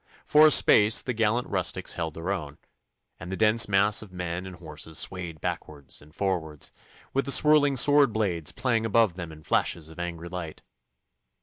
For a space the gallant rustics held their own, and the dense mass of men and horses swayed backwards and forwards, with the swirling sword blades playing above them in flashes of angry light.